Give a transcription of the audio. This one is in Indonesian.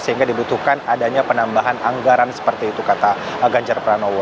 sehingga dibutuhkan adanya penambahan anggaran seperti itu kata ganjar pranowo